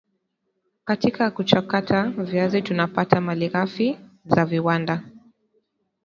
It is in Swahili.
katika kuchakata viazi tunapata malighafi za viwanda